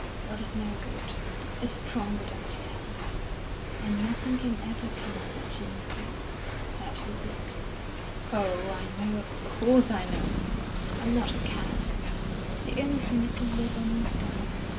But it's no good. It's stronger than I am." "And nothing can ever come of it, you know," said Mrs. Clibborn. "Oh, I know! Of course, I know! I'm not a cad. The only thing is to live on and suffer."